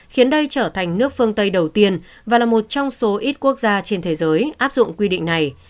khiến đây trở thành nước phương tây đầu tiên và là một trong số ít quốc gia trên thế giới áp dụng quy định này